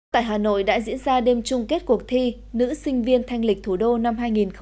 tại hà nội đã diễn ra đêm chung kết cuộc thi nữ sinh viên thanh lịch thủ đô năm hai nghìn một mươi chín